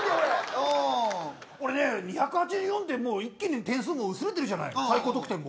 俺ね２８４点で一気に点数薄れてるじゃない、最高得点。